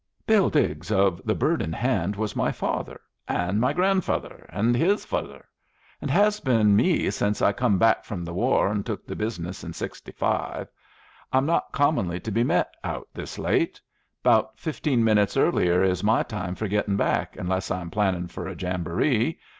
"Bill Higgs of the Bird in Hand was my father, and my grandf'ther, and his father; and has been me sence I come back from the war and took the business in '65. I'm not commonly to be met out this late. About fifteen minutes earlier is my time for gettin' back, unless I'm plannin' for a jamboree.